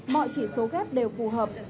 mọi chỉ số ghép đều phù hợp